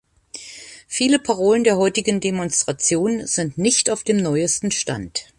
Viele Parolen der heutigen Demonstration sind nicht auf dem neuesten Stand.